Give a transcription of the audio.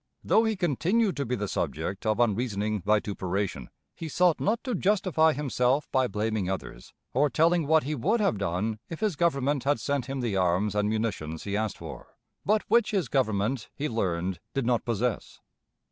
Though he continued to be the subject of unreasoning vituperation, he sought not to justify himself by blaming others, or telling what he would have done if his Government had sent him the arms and munitions he asked for, but which his Government he learned did not possess.